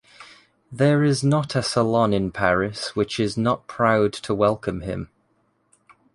There is not a salon in Paris which is not proud to welcome him.